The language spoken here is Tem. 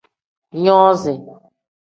Nuzi.